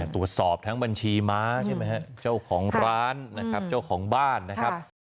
ตรวจสอบทั้งบัญชีม้าเจ้าของร้านเจ้าของบ้านนะครับ